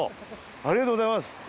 ありがとうございます。